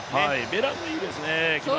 ベランいいですね。